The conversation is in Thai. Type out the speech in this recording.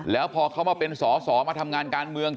แล้วพอเขามาเป็นสอสอมาทำงานการเมือง